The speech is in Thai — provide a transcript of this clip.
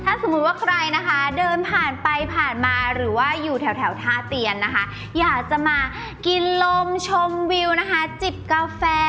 ถ้าสมมุติว่าใครนะคะเดินผ่านไปผ่านมาหรือว่าอยู่แถวท่าเตียนนะคะอยากจะมากินลมชมวิวนะคะจิบกาแฟ